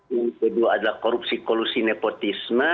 yang kedua adalah korupsi kolusi nepotisme